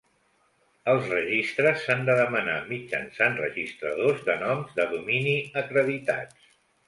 Els registres s'han de demanar mitjançant registradors de noms de domini acreditats.